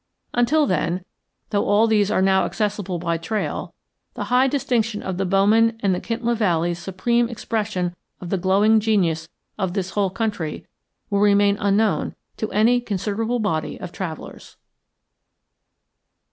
Until then, though all these are now accessible by trail, the high distinction of the Bowman and the Kintla valleys' supreme expression of the glowing genius of this whole country will remain unknown to any considerable body of travellers.